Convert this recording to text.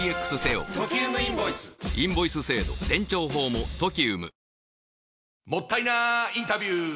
もったいなインタビュー！